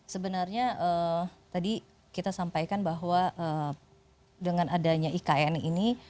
sebenarnya tadi kita sampaikan bahwa dengan adanya ikn ini